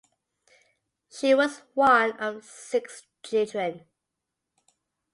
She was one of six children.